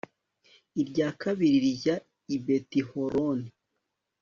irya kabiri rijya i betihoroni